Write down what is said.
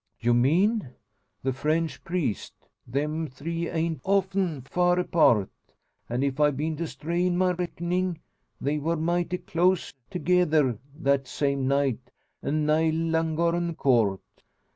"You mean ?" "The French priest. Them three ain't often far apart; an' if I beant astray in my recknin', they were mighty close thegither that same night, an' nigh Llangorren Court.